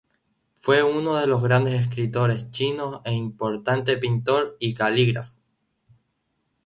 Fue uno de los grandes escritores chinos e importante pintor y calígrafo.